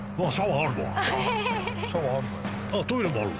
あっトイレもあるわ。